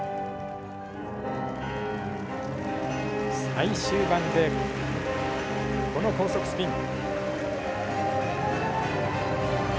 最終盤でこの高速スピン。